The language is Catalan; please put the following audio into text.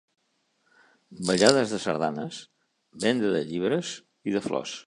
Ballades de sardanes, venda de llibres i de flors.